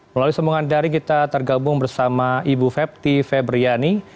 melalui sambungan daring kita tergabung bersama ibu fepti febriani